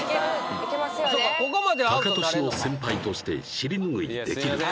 タカトシの先輩として尻拭いできるか？